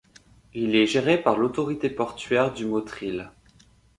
Il est géré par l'autorité portuaire du Motril.